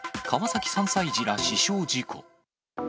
川崎３歳児ら死傷事故。